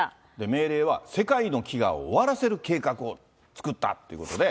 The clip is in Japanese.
命令は世界の飢餓を終わらせる計画を作ったということで。